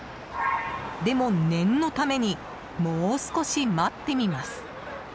でも、念のためにもう少し待ってみます。